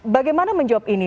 bagaimana menjawab ini